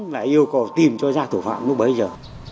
là yêu cầu tìm cho ra thủ phạm lúc bấy giờ